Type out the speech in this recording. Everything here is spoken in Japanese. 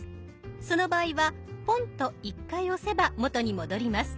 その場合はポンと１回押せば元に戻ります。